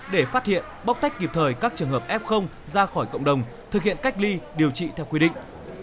để phát hiện bóc tách kịp thời các trường hợp f ra khỏi cộng đồng thực hiện cách ly điều trị theo quy định